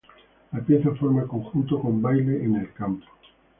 La pieza forma conjunto con "Baile en el campo".